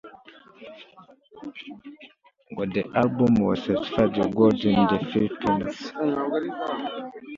The album was certified gold in the Philippines.